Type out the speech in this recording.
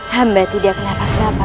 hamba tidak kenapa kenapa